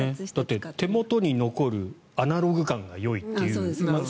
だって手元に残るアナログ感がよいという。